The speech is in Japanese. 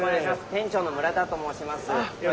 店長の村田ともうします。